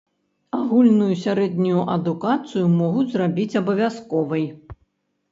Агульную сярэднюю адукацыю могуць зрабіць абавязковай.